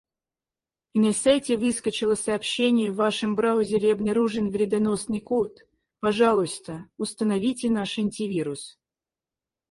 На сайте выскочило сообщение: «В вашем браузере обнаружен вредоносный код, пожалуйста, установите наш антивирус».